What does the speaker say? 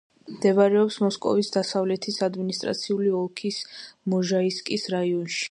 მდებარეობს მოსკოვის დასავლეთის ადმინისტრაციული ოლქის მოჟაისკის რაიონში.